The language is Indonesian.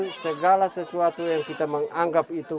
dari segala sesuatu yang kita menganggap itu